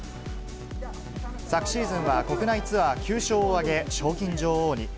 昨シーズンは、国内ツアー９勝を挙げ、賞金女王に。